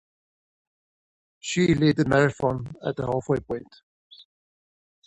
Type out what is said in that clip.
She led the marathon at the halfway point.